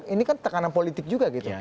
ini kan tekanan politik juga gitu